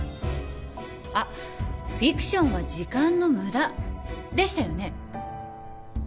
あっフィクションは時間の無駄でしたよね？